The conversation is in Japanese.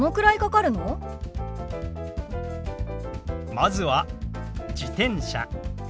まずは「自転車」。